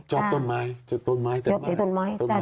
จับต้นไม้จับต้นไม้จับมา